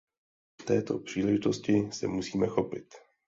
Této příležitosti se musíme chopit.